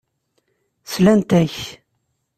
Slant-ak.